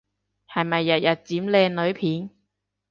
係咪日日剪靚女片？